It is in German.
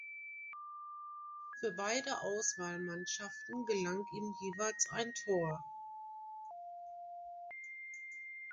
Für beide Auswahlmannschaften gelang ihm jeweils ein Tor.